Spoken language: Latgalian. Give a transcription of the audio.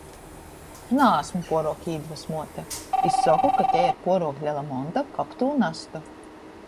Naasmu puoruok īdvasmuota i soku, ka tei ir puoruok lela monta, kab tū nastu.